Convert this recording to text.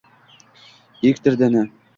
Erkdir dini